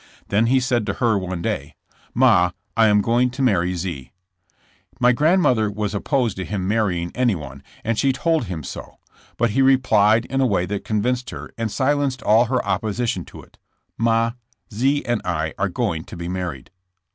Then he said to her one day: jlttxh thk war. 65 *'Ma, I am going to marry Zee/' My grandmother was opposed to him marrying anyone and she told him so, but he replied in a way that convinced her and silenced all her opposition to it: *'Ma, Zee and I are going to be married."